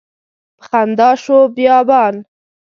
په خندا شو بیابان